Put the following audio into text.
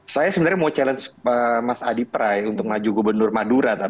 saya sebenarnya mau challenge mas adi pray untuk maju gubernur madura